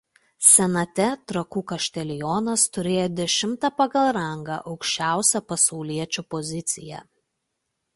Senate Trakų kaštelionas turėjo dešimtą pagal rangą aukščiausią pasauliečių poziciją.